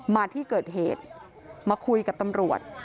มาที่เกิดเหตุมาคุยกับตำรวจ